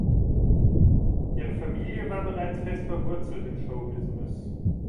Ihre Familie war bereits fest verwurzelt im Show Business.